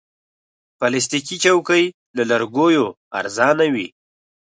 پلاستيکي چوکۍ له لرګیو ارزانه وي.